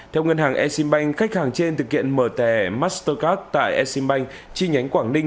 theo ngân hàng exim bank khách hàng trên thực hiện mở thẻ mastercard tại exim bank chi nhánh quảng ninh